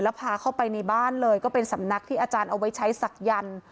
แล้วพาเข้าไปในบ้านเลยก็เป็นสำนักที่อาจารย์เอาไว้ใช้ศักยันต์